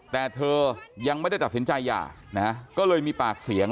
แต่เธอยังไม่ได้ตัดสินใจหย่านะก็เลยมีปากเสียง